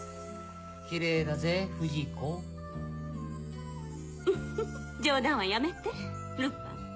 ・きれいだぜ不二子・ウフフ冗談はやめてルパン。